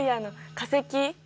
化石！？